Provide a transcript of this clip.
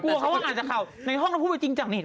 กลัวว่าเขาอ่านจากข่าวในห้องเขาพูดจริงจักรนี่